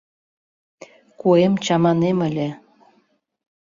— Куэм чаманем ыле!